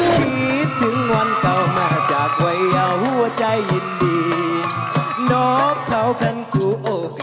สวัสดีครับ